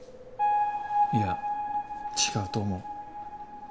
いや違うと思う。